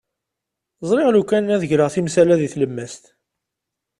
Ẓriɣ lukan ad d-greɣ timsal-a deg tlemmast.